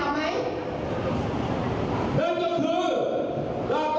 นั่นก็คือรากรวมโชคชัย